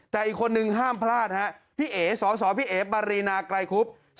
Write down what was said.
แต่อีกคนนึงห้ามพลาดนะครับ